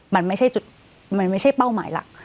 มันไม่ใช่เป้าหมายหลัก